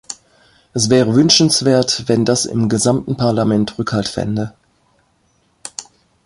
Es wäre wünschenswert, wenn das im gesamten Parlament Rückhalt fände.